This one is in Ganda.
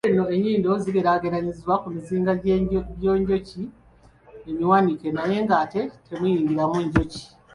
Kale nno ennyindo zigeraageranyizibwa ku mizinga gy’enjoki emiwanike naye ng’ate temuyingiramu njoki.